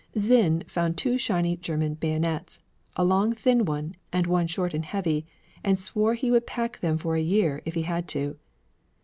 Zinn found two shiny German bayonets, a long thin one, and one short and heavy, and swore he would pack them for a year if he had to.